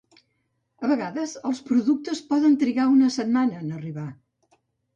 A vegades, els productes poden trigar una setmana en arribar.